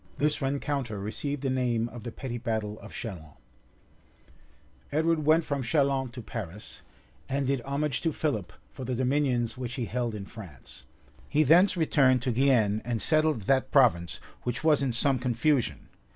[] This rencounter received the name of the petty battle of Chalons. {1274.} Edward went from Chalons to Paris, and did homage to Philip for the dominions which he held in France.[] He thence returned to Guienne, and settled that province, which was in some confusion.